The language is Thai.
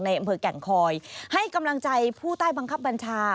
อำเภอแก่งคอยให้กำลังใจผู้ใต้บังคับบัญชา